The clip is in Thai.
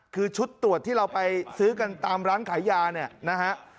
คือชุดตรวจที่เราไปซื้อกันตามร้านขายยาเนี่ยนะฮะ